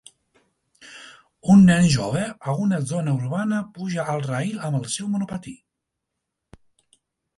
Un nen jove a una zona urbana puja al rail amb el seu monopatí.